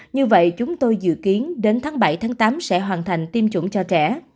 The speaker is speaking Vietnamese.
như vậy chúng tôi dự kiến đến tháng bảy tám sẽ hoàn thành tiêm chủng cho trẻ